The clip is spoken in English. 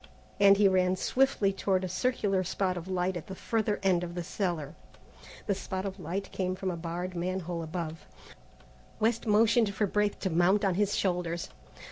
and he ran swiftly toward a circular spot of light at the further end of the cellar. The spot of light came from a barred man hole above. West motioned Braith to mount on his shoulders.